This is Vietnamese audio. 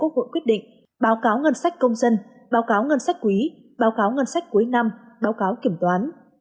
quốc hội quyết định báo cáo ngân sách công dân báo cáo ngân sách quý báo cáo ngân sách cuối năm báo cáo kiểm toán